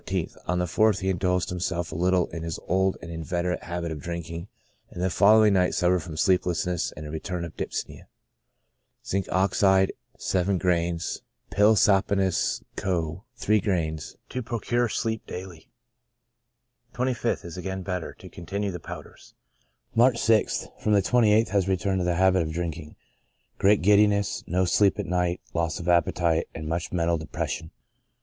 — On the 4th he indulged himself a little in his old and inveterate habit of drinking, and the following night suffered from sleeplessness and a return of dyspnoea. Zinc. Ox., gr.xij ; Pil. Saponis co., gr.iij, hora somni quotidie sum. 25th. — Is again better ; to continue the powders. March 6th. — From the 28th has returned to the habit of drinking ; great giddiness, no sleep at night, loss of appe tite, and much mental depression.